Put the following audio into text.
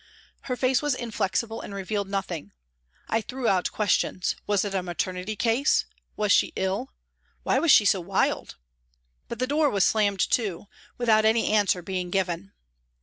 Her face was inflexible and revealed nothing. I threw out questions, " Was it a maternity case ?"" Was she ill ?"" Why was she so wild ?" but the door was slammed to with out any answer being given.